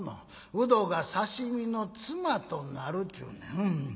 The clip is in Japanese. うどが刺身のつまとなるちゅうねん。